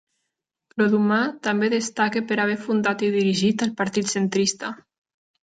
Clodumar també destaca per haver fundat i dirigit el Partit Centrista.